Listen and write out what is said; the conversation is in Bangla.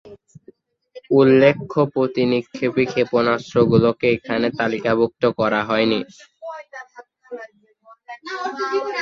উল্লেখ্য প্রতিনিক্ষেপী-ক্ষেপণাস্ত্রগুলোকে কে এখানে তালিকাভুক্ত করা হয়নি।